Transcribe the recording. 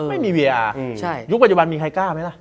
ไม่มีเวียยุคปัจจุบันมีใครกล้าไหมล่ะ